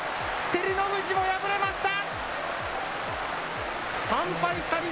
照ノ富士も敗れました。